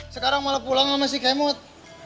sekarang malah pulang sama si kemod